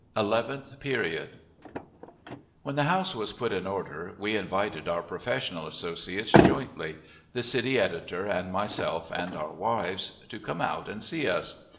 ELEVENTH PERIOD When the house was put in order we invited our professional associates jointly the city editor and myself and our wives to come out and see us.